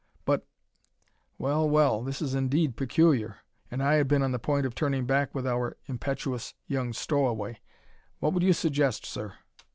"But well, well! This is indeed peculiar! And I had been on the point of turning back with our impetuous young stowaway. What would you suggest, sir?"